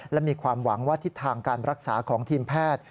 และมีความหวังว่าทิศทางการรักษาของทีมแพทย์